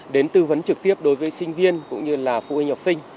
đến tư vấn trực tiếp đối với sinh viên cũng như là phụ huynh học sinh